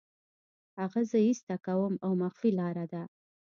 هغه زه ایسته کوم او مخفي لاره ده